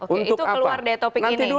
itu keluar dari topik ini